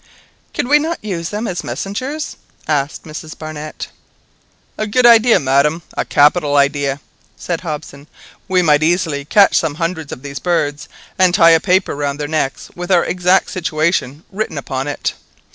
"Could we not use them as messengers?" asked Mrs Barnett. "A good idea, madam, a capital idea," said Hobson. "We might easily catch some hundreds of these birds, and tie a paper round their necks with our exact situation written upon it.